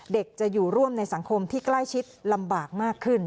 เด็กจะอยู่ร่วมในสังคมที่ใกล้ชิดลำบากมากขึ้น